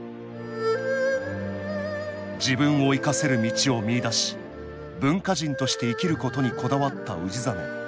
自分を生かせる道を見いだし文化人として生きることにこだわった氏真。